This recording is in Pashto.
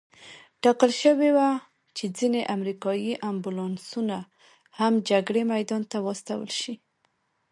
ټاکل شوې وه چې ځینې امریکایي امبولانسونه هم جګړې میدان ته واستول شي.